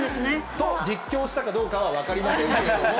と、実況したかどうかは分かりませんけれども。